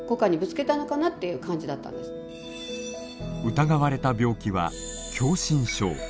疑われた病気は狭心症。